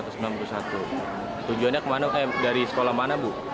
tujuannya kemana dari sekolah mana bu